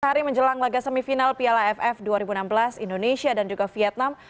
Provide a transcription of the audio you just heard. empat hari menjelang laga semifinal piala aff dua ribu enam belas indonesia dan juga vietnam